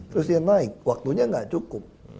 terus dia naik waktunya nggak cukup